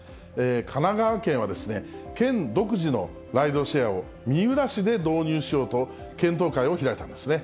神奈川県は県独自のライドシェアを三浦市で導入しようと、検討会を開いたんですね。